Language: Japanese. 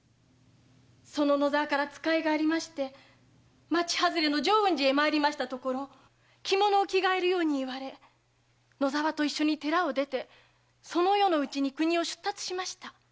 その野沢から使いがあり町外れの浄雲寺へ参りましたところ着物を着替えるように言われ野沢と一緒に寺を出てその夜のうちに国を出立しました。